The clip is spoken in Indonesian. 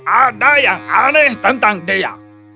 ada yang aneh tentang dia